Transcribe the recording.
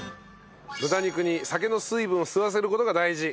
豚肉に酒の水分を吸わせる事が大事。